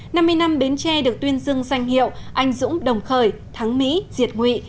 năm mươi năm bến tre được tuyên dưng danh hiệu anh dũng đồng khởi thắng mỹ diệt nghị